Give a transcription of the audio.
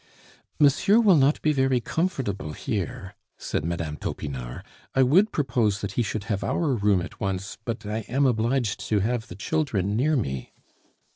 "Monsieur will not be very comfortable here," said Mme. Topinard. "I would propose that he should have our room at once, but I am obliged to have the children near me."